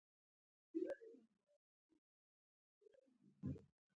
ایا ستاسو صدقه قبوله نه ده؟